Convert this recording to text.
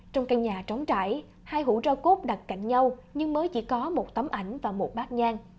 trong căn nhà trống trải hai hủ ro cốt đặt cạnh nhau nhưng mới chỉ có một tấm ảnh và một bát nhang